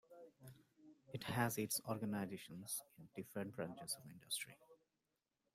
It has its organizations in different branches of industry.